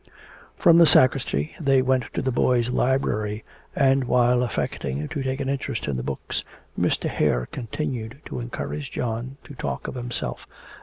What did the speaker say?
From the sacristy they went to the boys' library, and while affecting to take an interest in the books Mr. Hare continued to encourage John to talk of himself.